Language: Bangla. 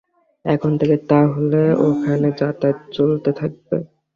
এখন থেকে তা হলে ওখানে যাতায়াত চলতে থাকবে?